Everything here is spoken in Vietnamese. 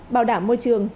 bảo đảm môi trường